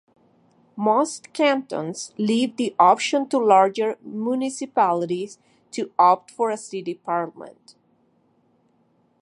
Most cantons leave the option to larger municipalities to opt for a city parliament.